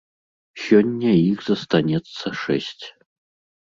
Сёння іх застанецца шэсць.